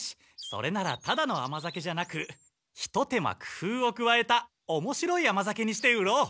それならただの甘酒じゃなく一手間くふうをくわえたおもしろい甘酒にして売ろう！